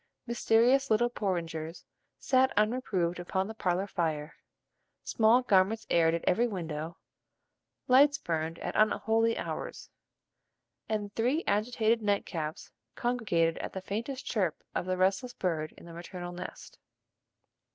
Mysterious little porringers sat unreproved upon the parlor fire, small garments aired at every window, lights burned at unholy hours, and three agitated nightcaps congregated at the faintest chirp of the restless bird in the maternal nest.